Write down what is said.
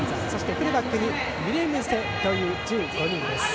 フルバックにウィレムセという１５人です。